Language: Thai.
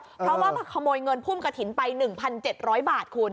เพราะว่ามาขโมยเงินพุ่มกระถิ่นไป๑๗๐๐บาทคุณ